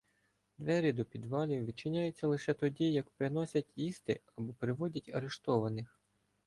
Двері до підвалів відчиняються лише тоді, як приносять їсти або приводять арештованих.